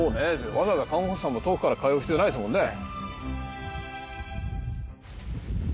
わざわざ看護婦さんも遠くから通う必要ないですもんね。